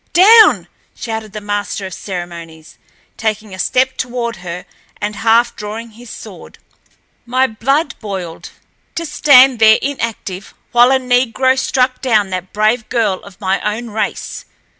Down!" shouted the master of ceremonies, taking a step toward her and half drawing his sword. My blood boiled. To stand there, inactive, while a negro struck down that brave girl of my own race!